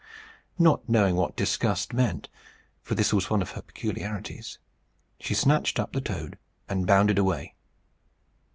Not knowing what disgust meant, for this was one of her peculiarities, she snatched up the toad and bounded away.